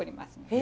え！